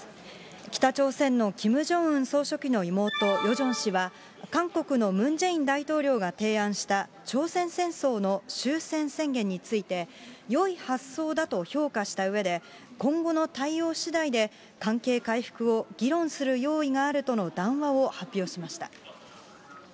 北朝鮮のキム・ジョンウン総書記の妹、ヨジョン氏は、韓国のムン・ジェイン大統領が提案した朝鮮戦争の終戦宣言について、よい発想だと評価したうえで、今後の対応しだいで関係回復を議論する用意があるとの談話を発表しました。